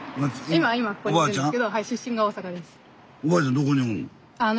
どこにおんの？